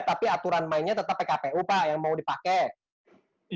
tapi aturan mainnya tetap pkpu pak yang mau dipakai